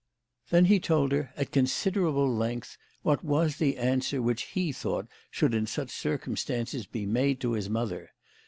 Then he told her at considerable length what was K 130 THE LADY OF LATJNAY. the answer which lie thought should in such circum stances be made to his mother.